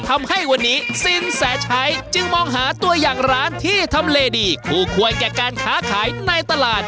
ทำให้วันนี้สินแสชัยจึงมองหาตัวอย่างร้านที่ทำเลดีคู่ควรแก่การค้าขายในตลาด